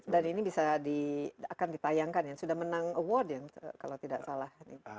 dan ini bisa ditayangkan sudah menang award ya kalau tidak salah